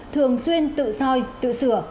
thường xuyên tự soi tự sửa